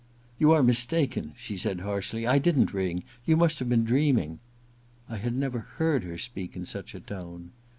* You are mistaken/ she said harshly ;* I didn't ring. You must have been dreaming.' I had never heard her speak in such a tone.